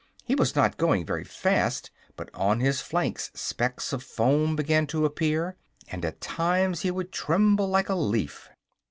He was not going very fast, but on his flanks specks of foam began to appear and at times he would tremble like a leaf.